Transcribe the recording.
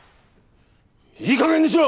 いいかげんにしろ！